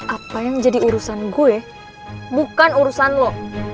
apa yang jadi urusan gue bukan urusan lo